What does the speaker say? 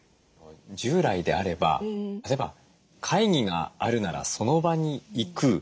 従来であれば例えば会議があるならその場に行く。